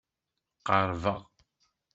Qerrbeɣ.